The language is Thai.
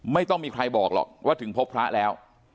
ไม่ต้องมีใครบอกหรอกว่าถึงพบพระแล้ว